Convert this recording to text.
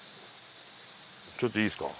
ちょっといいですか？